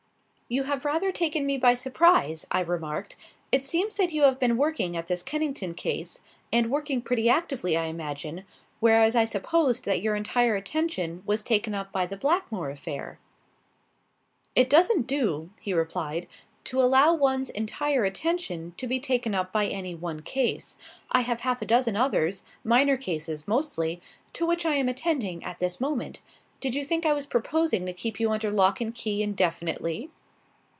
"You have rather taken me by surprise," I remarked. "It seems that you have been working at this Kennington case, and working pretty actively I imagine, whereas I supposed that your entire attention was taken up by the Blackmore affair." "It doesn't do," he replied, "to allow one's entire attention to be taken up by any one case. I have half a dozen others minor cases, mostly to which I am attending at this moment. Did you think I was proposing to keep you under lock and key indefinitely?"